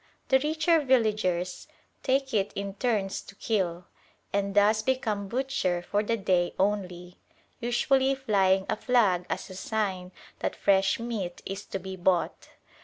The richer villagers take it in turns to kill, and thus become butcher for the day only, usually flying a flag as a sign that fresh meat is to be bought.